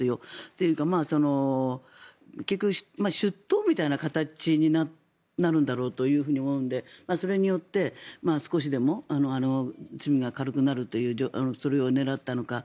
というか、結局出頭みたいな形になるんだろうと思うのでそれによって少しでも罪が軽くなるというそれを狙ったのか。